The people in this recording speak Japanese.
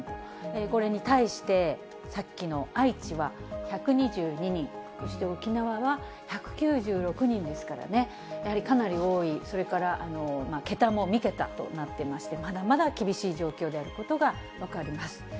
これに対して、さっきの愛知は１２２人、そして沖縄は１９６人ですからね、やはりかなり多い、それから桁も３桁となってまして、まだまだ厳しい状況であることが分かります。